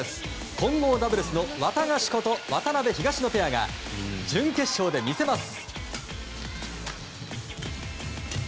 混合ダブルスのワタガシこと渡辺、東野ペアが準決勝で見せます。